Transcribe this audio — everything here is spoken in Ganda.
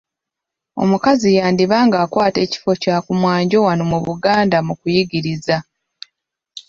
Omukazi yandiba ng’akwata ekifo kya ku mwanjo wano mu Buganda mu kuyigiriza.